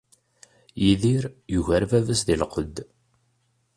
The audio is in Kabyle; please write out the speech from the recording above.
Yidir yugar baba-s di lqedd.